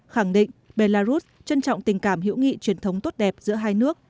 khẳng định belarus trân trọng tình cảm hữu nghị truyền thống tốt đẹp giữa hai nước